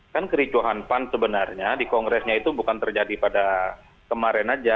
kan kericuhan pan sebenarnya di kongresnya itu bukan terjadi pada kemarin aja